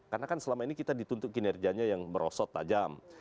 karena kan selama ini kita dituntut kinerjanya yang merosot tajam